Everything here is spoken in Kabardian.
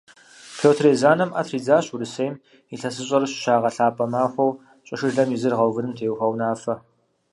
Пётр Езанэм Ӏэ тридзащ Урысейм ИлъэсыщӀэр щыщагъэлъапӀэ махуэу щӀышылэм и зыр гъэувыным теухуа унафэм.